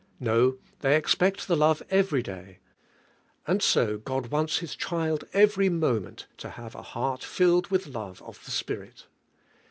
No, they expect the love every day. And so God wants His child every moment to have a heart tilled with love of the Spirit.